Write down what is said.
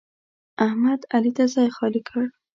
احمد؛ علي ته ځای خالي کړ.